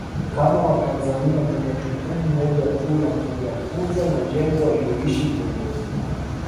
Kama Watanzania tuna jukumu moja tu la Kuyatunza majengo waliyoishi viongozi hao